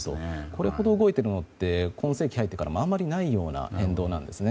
これほど動いているのって今世紀に入ってからもあまりないような変動なんです。